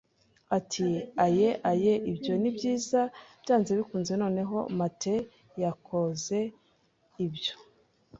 Ati: "Aye, aye, ibyo ni byiza, byanze bikunze. Noneho, matey, yakoze ibyo